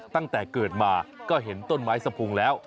ตั้งแต่เกิดมาก็เห็นต้นไม้สะพุงแล้ว